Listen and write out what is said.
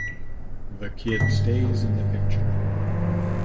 "The Kid Stays in the Picture"